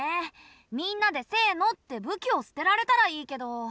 みんなでせのって武器を捨てられたらいいけど。